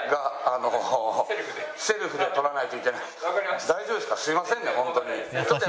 セルフで撮らないといけない。